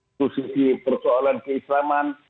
untuk sisi persoalan keislaman